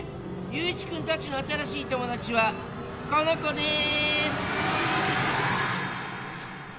友一くんたちの新しい友達はこの子です！